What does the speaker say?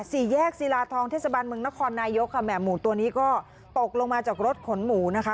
สี่แยกศิลาทองเทศบาลเมืองนครนายกค่ะแหม่หมูตัวนี้ก็ตกลงมาจากรถขนหมูนะคะ